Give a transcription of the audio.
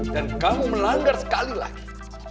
dan kamu melanggar sekali lagi